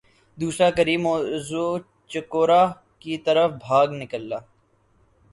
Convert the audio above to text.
دوسرا قریب موضع چکوڑہ کی طرف بھاگ نکلا۔